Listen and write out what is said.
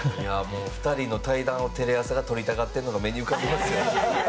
２人の対談をテレ朝が撮りたがってるのを目に浮かびますよ。